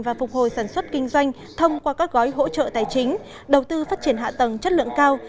và phục hồi sản xuất kinh doanh thông qua các gói hỗ trợ tài chính đầu tư phát triển hạ tầng chất lượng cao